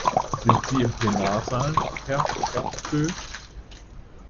Sind Sie im Plenarsaal, Herr Hortefeux?